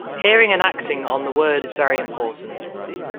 Hearing and acting on the Word is very important.